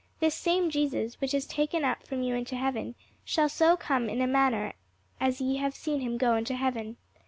this same Jesus, which is taken up from you into heaven, shall so come in like manner as ye have seen him go into heaven.